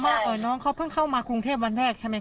เหมือนจะมาเริ่มงาน